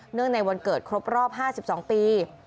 เนื่องในวันเกิดครบรอบ๕๒ปี